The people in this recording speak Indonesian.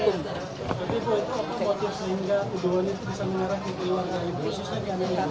tapi bu itu apa fokus sehingga hubungannya bisa mengerah di keluarga ibu